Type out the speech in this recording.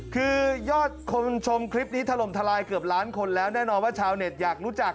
คือยอดคนชมคลิปนี้ถล่มทลายเกือบล้านคนแล้วแน่นอนว่าชาวเน็ตอยากรู้จัก